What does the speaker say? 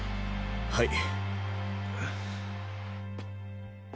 はい。